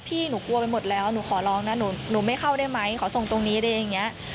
พี่หนูกลัวไปหมดแล้วหนูขอร้องนะหนูไม่เข้าได้ไหมขอส่งตรงนี้อะไรอย่างนี้